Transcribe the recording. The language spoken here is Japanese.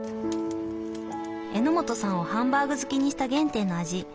榎本さんをハンバーグ好きにした原点の味